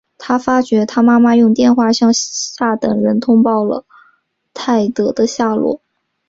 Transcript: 他发觉他妈妈用电话向下等人通报了泰德的下落。